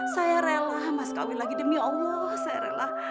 saya rela mas kawin lagi demi allah saya rela